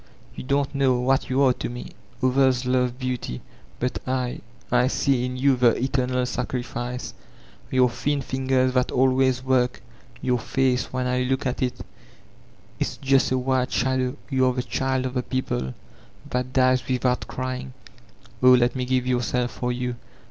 You don't know what you are to me. Others love beauty, but I — ^I see in you the eternal sacrifice; your thin fingers that always work, jrour face— when I look at it, it's just a white shadow; you are the child of the people, that dies with* out ciying. Oh, let me give myself for you.